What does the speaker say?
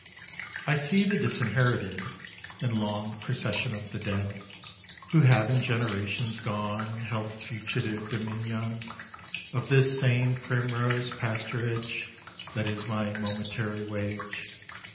I see the disinherited And long procession of the dead, Who have in generations gone Held fugitive dominion Of this same primrose pasturage That is my momentary wage.